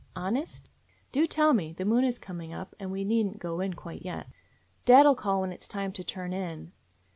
Honest?" "Do tell me. The moon is coming up, and we need n't go in quite yet." "Dad 'll call when it 's time to turn in.